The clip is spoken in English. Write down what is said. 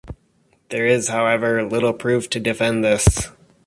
There is, however, little proof to defend this.